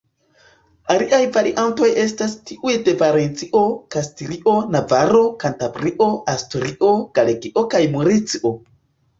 Aliaj variantoj estas tiuj de Valencio, Kastilio, Navaro, Kantabrio, Asturio, Galegio kaj Murcio.